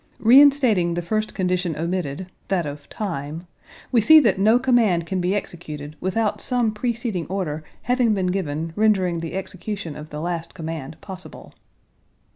Reinstating the first condition omitted, that of time, we see that no command can be executed without some preceding order having been given rendering the execution of the last command possible.